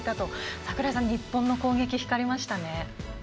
櫻井さん、日本の攻撃光りましたね。